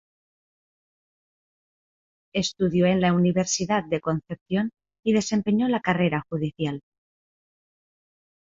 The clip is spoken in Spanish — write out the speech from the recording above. Estudió en la Universidad de Concepción y desempeñó la carrera judicial.